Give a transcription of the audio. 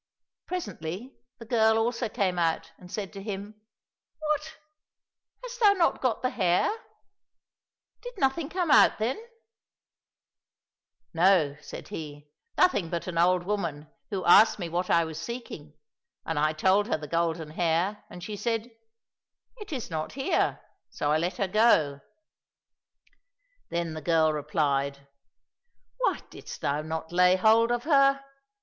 Presently the girl also came out and said to him, " What ! hast thou not got the hare ? Did nothing come out then }"—" No," said he, " nothing but an old woman who asked me what I was seeking, and I told her the golden hare, and she said, ' It is not here,' so I let her go." — Then the girl replied, " Why didst thou not lay hold of her